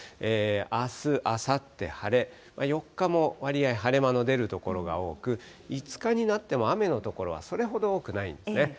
あす、あさって晴れ、４日も割合晴れ間の出る所が多く、５日になっても雨の所はそれほど多くないですね。